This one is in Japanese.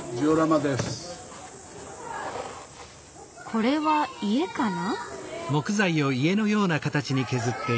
これは家かな。